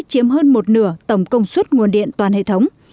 chiếm hơn một nửa tổng công suất nguồn điện toàn hệ thống